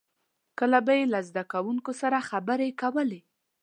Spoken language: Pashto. • کله به یې له زدهکوونکو سره خبرې کولې.